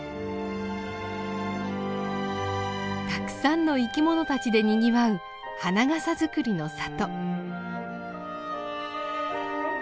たくさんの生きものたちでにぎわう花笠作りの里。